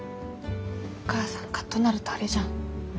お母さんカッとなるとあれじゃん。